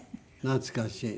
懐かしい。